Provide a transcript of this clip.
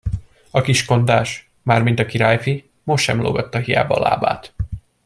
A kiskondás, mármint a királyfi, most sem lógatta hiába a lábát.